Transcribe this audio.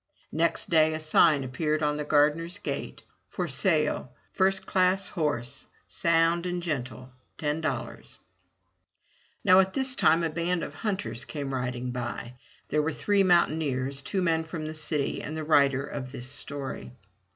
Next day a sign appeared on the gardener's gate: ~~JorzalK F««*tt class Honsc , sound &Ge»^fte Now at this time a band of hunters came riding by. There were three mountaineers, two men from the city, and the writer of this story.